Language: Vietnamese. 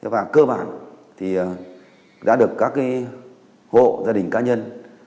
và cơ bản thì đã được các hộ gia đình cá nhân